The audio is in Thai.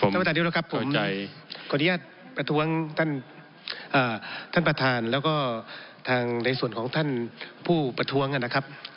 สวัสดีครับครับผมขออนุญาตประท้วงท่านประธานแล้วก็ในส่วนของท่านผู้ประท้วงนะครับ